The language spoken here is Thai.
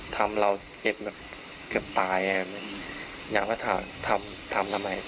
ทำเราเจ็บเกือบตายอยากว่าทำทำไม